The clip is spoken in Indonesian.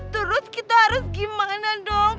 terus kita harus gimana dong